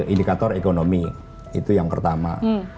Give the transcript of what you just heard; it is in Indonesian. indikator ekonomi itu yang pertama